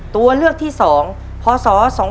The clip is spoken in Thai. ตัวเลือกที่อ่าวพอศ๒๓๑๐